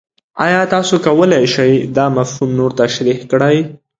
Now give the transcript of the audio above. ایا تاسو کولی شئ دا مفهوم نور تشریح کړئ؟